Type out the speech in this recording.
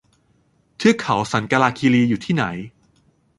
เทือกเขาสันกาลาคีรี อยู่ที่ไหน